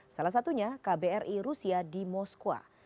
salah satunya kbri rusia di moskwa